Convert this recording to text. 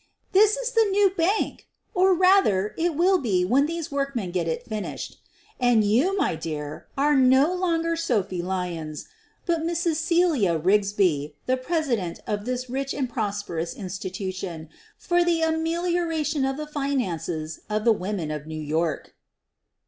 "This is the new bank — or, rather, it will be when these workmen get it finished. And you, my dear, are no longer Sophie Lyons, but Mrs. Celia Rigsby, the president of this rich and prosperous institution for the amelioration of the finances of the women of New York."